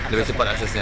lebih cepat aksesnya